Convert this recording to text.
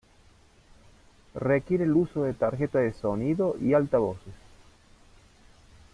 Requiere el uso de tarjeta de sonido y altavoces.